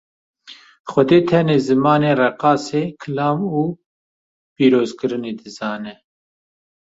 Xwedê tenê zimanê reqasê, kilam û pîrozkirinê dizane.